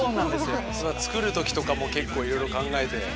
それは作るときとかも結構いろいろ考えて？